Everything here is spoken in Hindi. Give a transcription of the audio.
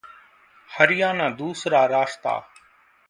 हरियाणाः दूसरा रास्ता